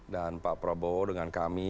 pak prabowo dengan kami